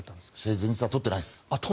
前日は取ってないです。